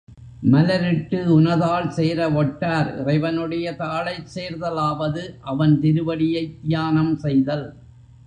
மலர்இட்டு உனதாள் சேரவொட்டார் இறைவனுடைய தாளைச் சேர்தலாவது அவன் திருவடியைத் தியானம் செய்தல்.